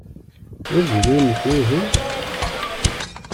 D avilu-inek wihin?